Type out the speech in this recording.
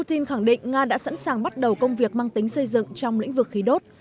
pin khẳng định nga đã sẵn sàng bắt đầu công việc mang tính xây dựng trong lĩnh vực khí đốt